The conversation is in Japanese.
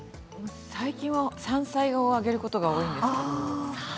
最近は山菜を揚げることが多いですけど。